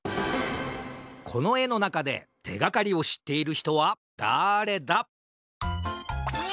このえのなかでてがかりをしっているひとはだれだ？え！？